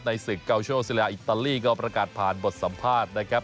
ในศึกเกาชั่วโซเลียอิตาลีก็ประกาศผ่านบทสัมภาษณ์นะครับ